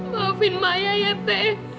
maafkan saya ya teteh